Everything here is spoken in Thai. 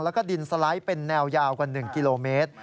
แล้วก็ดินสไลด์เป็นแนวยาวกว่า๑กิโลเมตร